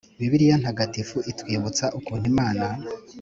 -bibiliya ntagatifu itwibutsa ukuntu imana